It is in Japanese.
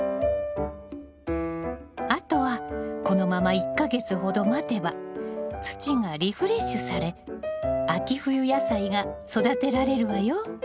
あとはこのまま１か月ほど待てば土がリフレッシュされ秋冬野菜が育てられるわよ。